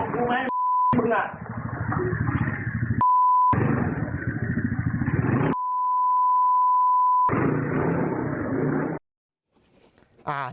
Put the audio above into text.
เกี่ยวกับกูไหมไอ้มึง